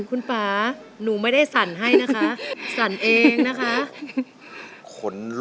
เก่าชั้นไม่มีศักดิ์ศรี